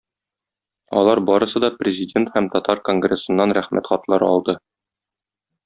Алар барысы да президент һәм татар конгрессыннан рәхмәт хатлары алды.